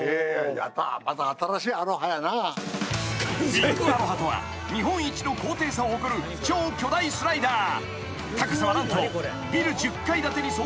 ［ビッグアロハとは日本一の高低差を誇る超巨大スライダー。